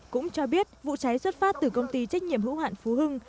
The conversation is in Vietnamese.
cũng cho biết vụ cháy xuất phát từ công ty trách nhiệm hữu hạn phú hưng